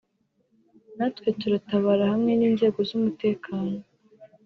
natwe turatabara hamwe n’inzego z’umutekano